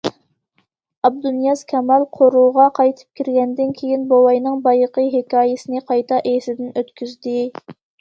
ئابدۇنىياز كامال قورۇغا قايتىپ كىرگەندىن كېيىن بوۋاينىڭ بايىقى ھېكايىسىنى قايتا ئېسىدىن ئۆتكۈزدى.